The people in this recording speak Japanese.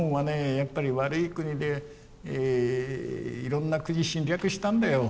やっぱり悪い国でいろんな国侵略したんだよ